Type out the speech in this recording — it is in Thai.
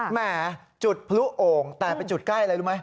แหมจุดพลุโอ่งแต่ไปจุดใกล้อะไรรู้ไหม